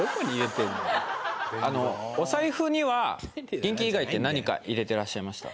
あのお財布には現金以外って何か入れてらっしゃいました？